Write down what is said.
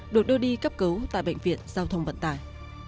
được đưa đi cấp cứu tại bệnh viện giao thông vận tải